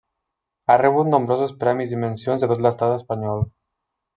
Ha rebut nombrosos premis i mencions de tot l'estat espanyol.